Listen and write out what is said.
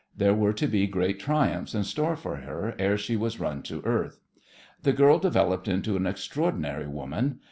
There were to be greater triumphs in store for her ere she was run to earth. The girl developed into an extraordinary woman.